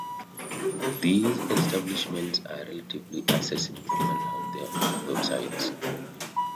These establishments are relatively accessible and have their own websites.